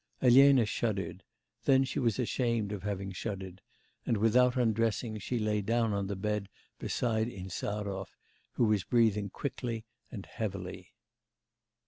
Elena shuddered; then she was ashamed of having shuddered, and, without undressing, she lay down on the bed beside Insarov, who was breathing quickly and heavily.